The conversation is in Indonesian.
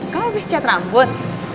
kamu bisa cat rambut